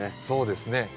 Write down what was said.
そうですね。